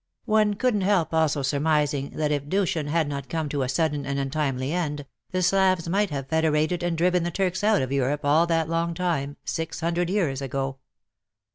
One couldn't help also surmising that if Dushan had not come to a sudden and untimely end, the Slavs might have federated and driven the Turks out of Europe all that long time — six hundred years — ago.